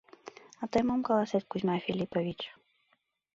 — А тый мом каласет, Кузьма Филиппович?